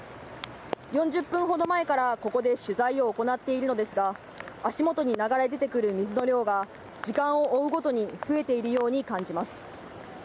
４０分ほど前からここで取材を行っているのですが、足元に流れ出てくる水の量が時間を追うごとに増えているように感じます。